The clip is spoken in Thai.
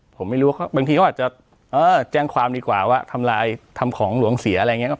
ผมไม่รู้ว่าบางทีเขาอาจจะแจ้งความดีกว่าว่าทำลายทำของหลวงเสียอะไรอย่างนี้